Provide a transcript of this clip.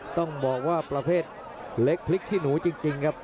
ต้องบอกว่าประเภทเล็กพริกขี้หนูจริงครับ